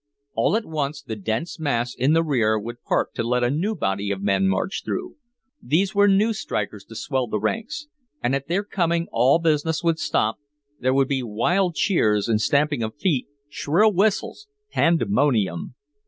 All at once the dense mass in the rear would part to let a new body of men march through. These were new strikers to swell the ranks, and at their coming all business would stop, there would be wild cheers and stamping of feet, shrill whistles, pandemonium!